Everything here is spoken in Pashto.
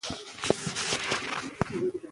اقلیم د افغانستان د کلتوري میراث برخه ده.